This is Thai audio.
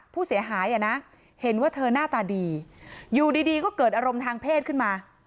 ผู้เสียหายอ่ะนะเห็นว่าเธอหน้าตาดีอยู่ดีก็เกิดอารมณ์ทางเพศขึ้นมา